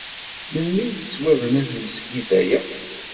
Melmi ay tettwabna tmesgida-a?